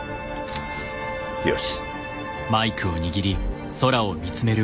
よし。